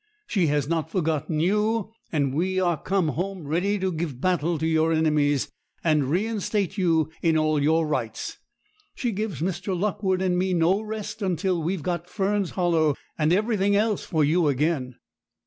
She has not forgotten you; and we are come home ready to give battle to your enemies, and reinstate you in all your rights. She gives Mr. Lockwood and me no rest until we have got Fern's Hollow, and everything else, for you again.'